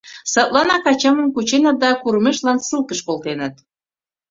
Садланак ачамым кученыт да курымешлан ссылкыш колтеныт.